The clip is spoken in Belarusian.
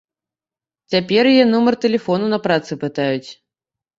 Цяпер яе нумар тэлефону на працы пытаюць.